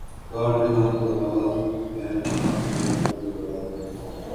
کار جہاں دراز ہے اب میرا انتظار کر